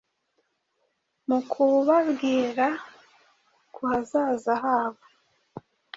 Mu kubabwira ku hazaza habo,